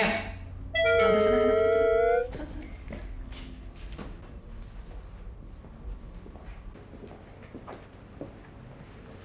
yaudah sudah sudah